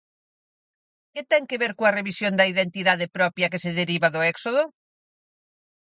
Que ten que ver coa revisión da identidade propia que se deriva do éxodo?